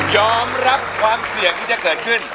ยอมรับความเสี่ยงที่จะเกิดขึ้น